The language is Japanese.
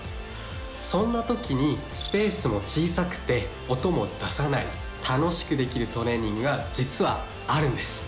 そんなときにスペースも小さくて音も出さない、楽しくできるトレーニングが実はあるんです。